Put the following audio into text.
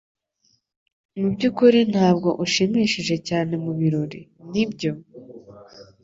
Mubyukuri ntabwo ushimishije cyane mubirori, nibyo?